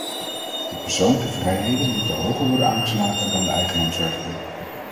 De persoonlijke vrijheden moeten hoger worden aangeslagen dan de eigendomsrechten.